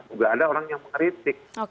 nggak ada orang yang mengkritik